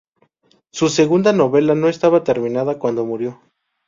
Su segunda novela no estaba terminada cuando murió.